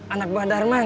anak mbak darman